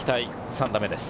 ３打目です。